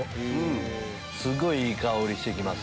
すごいいい香りして来ます